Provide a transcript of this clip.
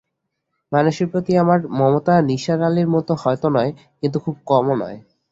মানুষের প্রতি আমার মমতা নিসার আলির মতো হয়তো নয়, কিন্তু খুব কমও নয়।